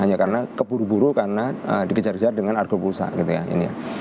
hanya karena keburu buru karena dikejar kejar dengan argo pulsa gitu ya ini ya